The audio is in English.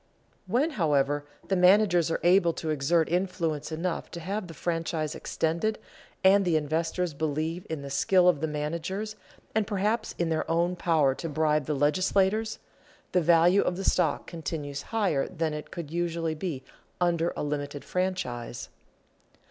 When, however, the managers are able to exert influence enough to have the franchise extended, and the investors believe in the skill of the managers and perhaps in their power to bribe the legislators, the value of the stock continues higher than it could usually be under a limited franchise.